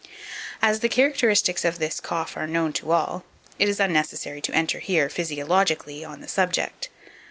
As the characteristics of this cough are known to all, it is unnecessary to enter here, physiologically, on the subject.